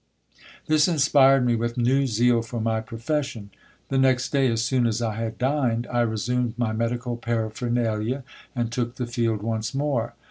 This inspired me with Bt w zeal for my profession. The next day, as soon as I had dined, I resumed my medical paraphernalia, and took the field once more.